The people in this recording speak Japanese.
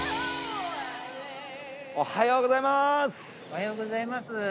おはようございます。